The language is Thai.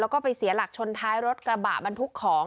แล้วก็ไปเสียหลักชนท้ายรถกระบะบรรทุกของ